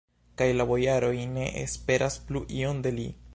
Kaj la bojaroj ne esperas plu ion de li.